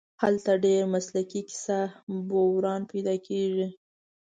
هلته ډېر مسلکي کیسه بُران پیدا کېږي.